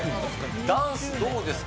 ダンス、どうですか？